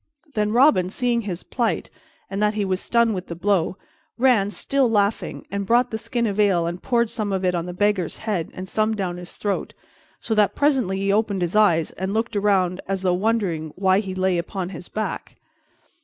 Then Robin, seeing his plight, and that he was stunned with the blow, ran, still laughing, and brought the skin of ale and poured some of it on the Beggar's head and some down his throat, so that presently he opened his eyes and looked around as though wondering why he lay upon his back.